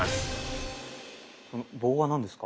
その棒は何ですか？